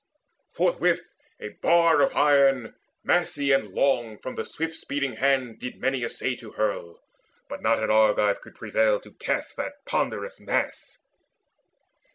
Forthwith a bar of iron massy and long From the swift speeding hand did many essay To hurl; but not an Argive could prevail To cast that ponderous mass.